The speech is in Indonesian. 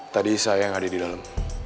tadi saya yang ada di dalam